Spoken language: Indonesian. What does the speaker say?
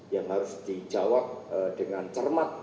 yang harus dijawab dengan cermat